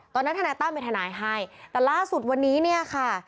ตอนนั้นธนายตั้มเป็นธนายให้แต่ล่าสุดวันนี้ค่ะ